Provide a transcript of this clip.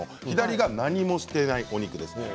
左が何もしていないお肉です。